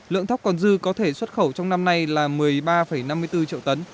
lượng thóc còn dư có thể xuất khẩu trong năm nay là một mươi ba năm mươi bốn triệu tấn